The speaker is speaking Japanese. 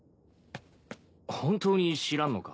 本当に知らんのか？